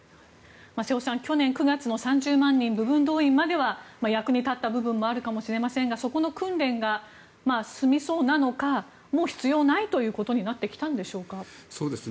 瀬尾さん、去年９月の３０万人部分動員までは役に立った部分もあるかもしれませんがそこの訓練が済みそうなのかもう必要ないということになってきたんでしょうか。